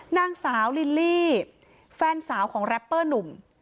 นางสาวลิลลี่แฟนสาวของแรปเปอร์หนุ่ม